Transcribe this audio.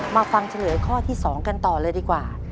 มาฟังเลือกข้อที่สองกันต่อเลยดีกว่า